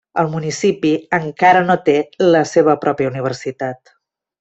El municipi encara no té la seva pròpia universitat.